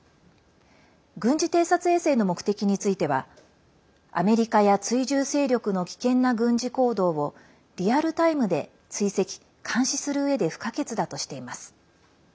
軍事偵察衛星の目的についてはアメリカや追従勢力の危険な軍事行動をリアルタイムで追跡、監視するうえで不可欠だとしています。